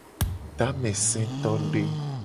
Tamesetode.